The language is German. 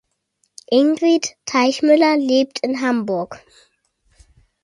Ingrid Teichmüller lebt in Hamburg.